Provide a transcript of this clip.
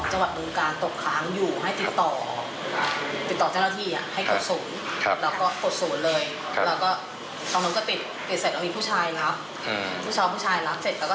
หมายศาลตกครั้งอยู่เราอยากรู้ว่าเป็นหมายอะไร